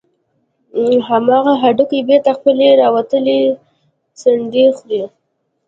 همغه هډوکى بېرته خپلې راوتلې څنډې خوري.